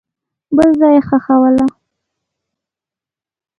بل ځای یې ښخوله.